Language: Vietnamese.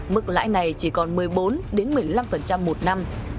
mức lãi này chỉ còn một mươi bốn một mươi năm một năm